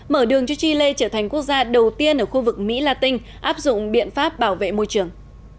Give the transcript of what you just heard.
mở đường cho chile trở thành quốc gia đầu tiên ở khu vực mỹ la tinh áp dụng biện pháp bảo vệ môi trường